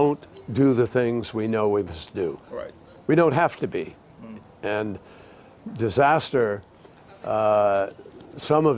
kita adalah jika kita tidak melakukan hal hal yang kita tahu harus dilakukan